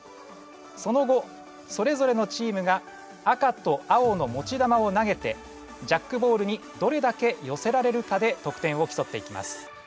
その後それぞれのチームが赤と青の持ち球を投げてジャックボールにどれだけよせられるかで得点をきそっていきます。